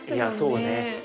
そうね。